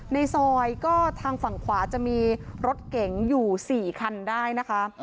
ในซอยก็ทางฝั่งขวาจะมีรถเก๋งอยู่๔คันได้นะคะ